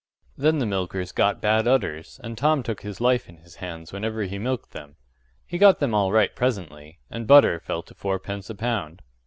Then the milkers got bad udders, and Tom took his life in his hands whenever he milked them. He got them all right presently and butter fell to fourpence a pound.